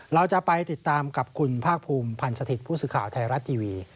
เราจะไปติดตามกับคุณภาคภูมิพันธ์สถิตย์ผู้สื่อข่าวไทยรัฐทีวี